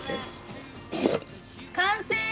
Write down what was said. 完成！